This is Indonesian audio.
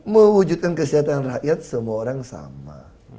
mewujudkan kesejahteraan rakyat semua orang sama